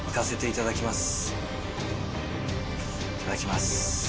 いただきます。